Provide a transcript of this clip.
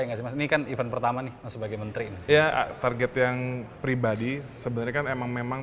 menghasilkan event pertama nih sebagai menteri ya target yang pribadi sebenarnya memang memang